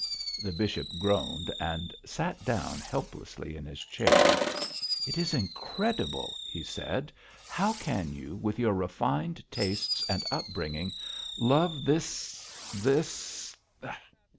The bishop groaned and sat down helplessly in his chair. 'It is incredible,' he said. 'How can you, with your refined tastes and up bringing, love this this